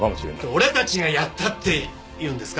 俺たちがやったって言うんですか？